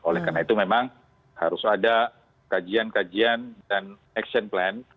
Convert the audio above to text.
oleh karena itu memang harus ada kajian kajian dan action plan